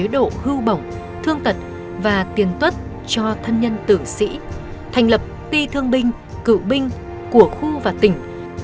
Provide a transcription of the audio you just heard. bộ hưu bổng thương tật và tiền tuất cho thân nhân tử sĩ thành lập ti thương binh cựu binh của khu và tỉnh